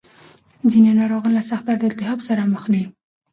ځینې ناروغان له سخت درد او التهاب سره مخ دي.